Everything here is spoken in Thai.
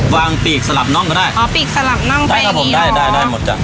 ปีกสลับน่องก็ได้อ๋อปีกสลับน่องได้ครับผมได้ได้หมดจ้ะ